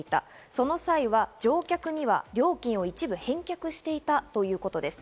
その際は乗客には料金を一部返却していたということです。